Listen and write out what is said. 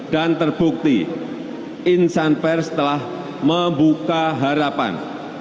dan terbukti insan pers telah membuka harapan